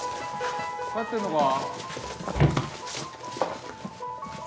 帰ってんのか？